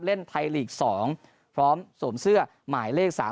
เล่นไทยลีก๒พร้อมสวมเสื้อหมายเลข๓๓